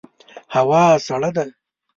هوا سړه ده